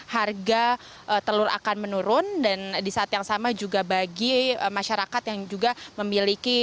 harga telur akan menurun dan di saat yang sama juga bagi masyarakat yang juga memiliki